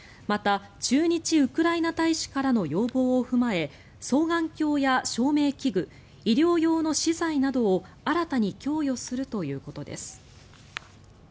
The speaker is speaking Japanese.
また、駐日ウクライナ大使からの要望を踏まえ双眼鏡や照明器具医療用の資材などを新たに供与するということです。